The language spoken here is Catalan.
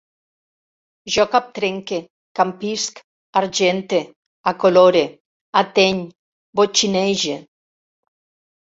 Jo captrenque, campisc, argente, acolore, ateny, botxinege